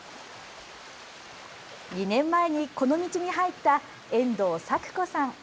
２年前にこの道に入った遠藤さく子さん。